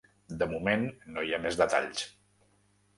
De moment no hi ha més detalls.